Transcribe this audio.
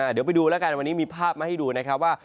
เดี๋ยวไปดูแล้วกันวันนี้มีภาพมาให้ดูนะครับว่า